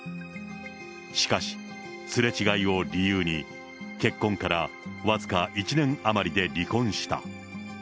しかし、すれ違いを理由に、結婚から僅か１年余りで離婚した。